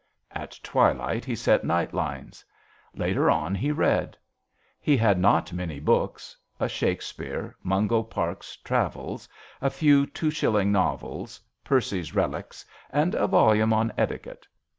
At twilight he set night lines. Later on he read. He had not many books a Shakespeare, Mungo Park's travels, a few two shilling novels, " Percy's Reliques," and a volume on etiquette.